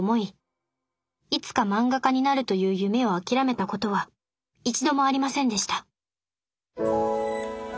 いつか漫画家になるという夢を諦めたことは一度もありませんでした